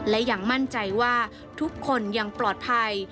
และยังมั่นใจว่าทุกคนยังปลอดภัย